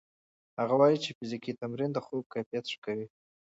هغه وايي چې فزیکي تمرین د خوب کیفیت ښه کوي.